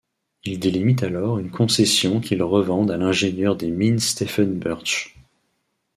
Ils délimitent alors une concession qu'ils revendent à l'ingénieur des mines Stephen Birch.